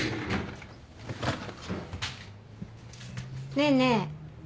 ねえねえ。